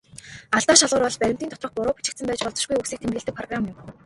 Алдаа шалгуур бол баримтын доторх буруу бичигдсэн байж болзошгүй үгсийг тэмдэглэдэг программ.